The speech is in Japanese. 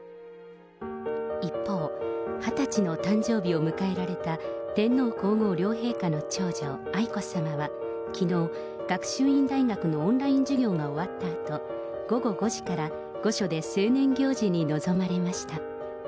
一方、２０歳の誕生日を迎えられた天皇皇后両陛下の長女、愛子さまはきのう、学習院大学のオンライン授業が終わったあと、午後５時から御所で成年行事に臨まれました。